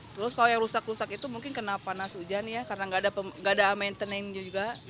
terus kalau yang rusak rusak itu mungkin kena panas hujan ya karena nggak ada maintenance nya juga